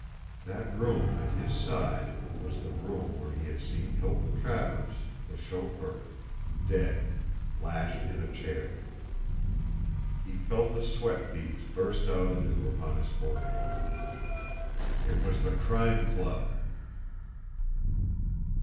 That room at his side was the room where he had seen Hilton Travers, the chauffeur, dead, lashed in a chair! He felt the sweat beads burst out anew upon his forehead. IT WAS THE CRIME CLUB!